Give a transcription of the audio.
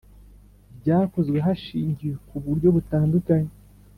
byakozwe hashingiwe ku buryo butandukanye